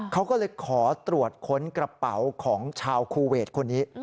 เขาก็เลยขอตรวจค้นกระเป๋าของชาวคูเวทคนนี้